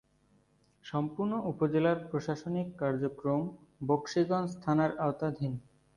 সম্পূর্ণ উপজেলার প্রশাসনিক কার্যক্রম বকশীগঞ্জ থানার আওতাধীন।